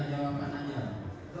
saya akan menyanyi